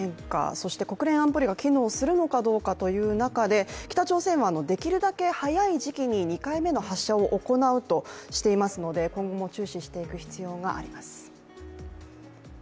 そして国連安保理が機能するのかどうかという中で、北朝鮮はできるだけ早い時期に２回目の発射を行うとしていますので今後も注視していく必要があります。